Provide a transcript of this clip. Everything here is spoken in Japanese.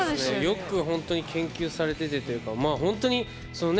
よくほんとに研究されててというかまあほんとにそのね